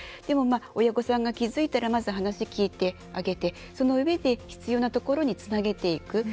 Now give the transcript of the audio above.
でも親御さんが気付いたらまず話聞いてあげてそのうえで必要なところにつなげていく。